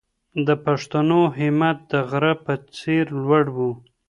د پښتنو همت د غره په څېر لوړ و.